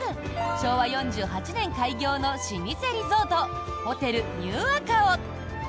昭和４８年開業の老舗リゾートホテルニューアカオ。